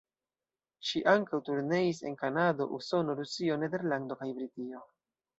Ŝi ankaŭ turneis en Kanado, Usono, Rusio, Nederlando kaj Britio.